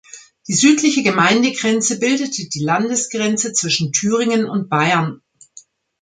Die südliche Gemeindegrenze bildete die Landesgrenze zwischen Thüringen und Bayern.